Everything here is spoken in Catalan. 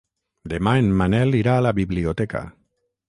Demà en Manel irà a la biblioteca.